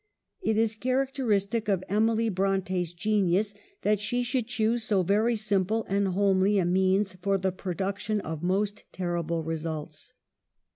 It is charac teristic of Emily Bronte's genius that she should choose so very simple and homely a means for the production of most terrible results.